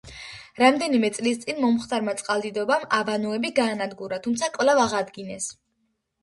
რამდენიმე წლის წინ მომხდარმა წყალდიდობამ აბანოები გაანადგურა, თუმცა კვლავ აღადგინეს.